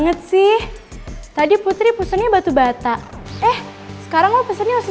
gue pilih karena gak mau pedas